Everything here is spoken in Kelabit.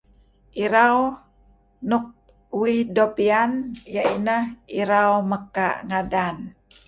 Irau nuk uih doo' piyan iah inah irau mekaa' ngadan.